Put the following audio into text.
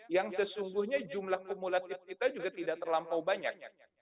yang sesungguhnya jumlah kumulatif kita juga tidak terlampau banyak